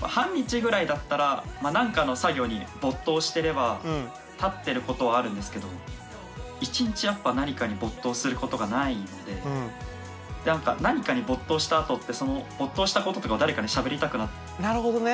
半日ぐらいだったら何かの作業に没頭してればたってることはあるんですけど１日やっぱ何かに没頭することがないので何かに没頭したあとってその没頭したこととかを誰かにしゃべりたくなっちゃうので。